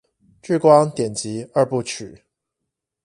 颶光典籍二部曲